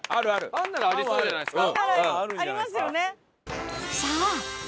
パンならありそうじゃないですか？